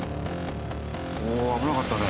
おお危なかったね。